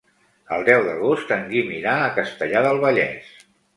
El deu d'agost en Guim irà a Castellar del Vallès.